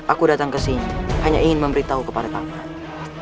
aku datang kesini hanya ingin memberitahu kepada paman